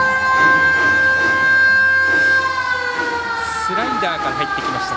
スライダーから入ってきました。